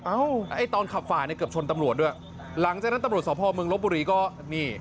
ไอ้ตอนขับฝ่าเนี่ยเกือบชนตำรวจด้วยหลังจากนั้นตำรวจสพเมืองลบบุรีก็นี่